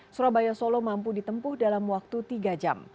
surabaya solo mampu ditempuh dalam waktu tiga jam